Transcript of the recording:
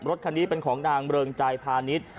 รถคันนี้เป็นของนางเริงใจพาณิชย์